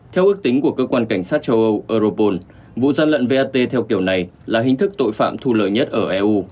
theo ước tính của cơ quan cảnh sát châu âu europol vụ gian lận vat theo kiểu này là hình thức tội phạm thu lợi nhất ở eu